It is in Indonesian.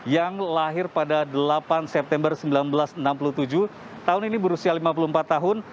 yang lahir pada delapan september seribu sembilan ratus enam puluh tujuh tahun ini berusia lima puluh empat tahun